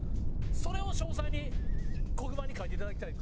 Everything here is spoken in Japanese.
それを詳細に黒板に書いていただきたかった。